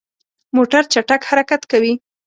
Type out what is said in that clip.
موټر چټک حرکت کوي.